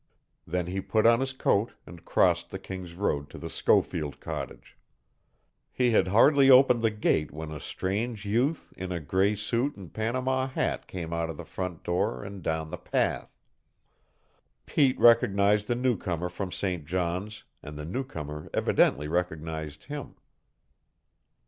Then he put on his coat and crossed the King's Road to the Schofield cottage. He had hardly opened the gate when a strange youth in a gray suit and Panama hat came out of the front door and down the path. Pete recognized the newcomer from St. John's, and the newcomer evidently recognized him.